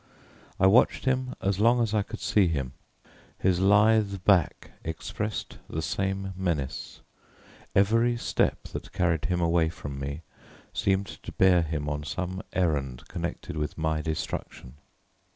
I watched him as long as I could see him. His lithe back expressed the same menace; every step that carried him away from me seemed to bear him on some errand connected with my destruction.